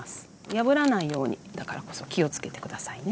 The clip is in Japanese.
破らないようにだからこそ気をつけて下さいね。